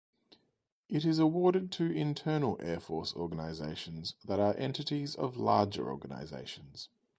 It is awarded to internal Air Force organizations that are entities of larger organizations.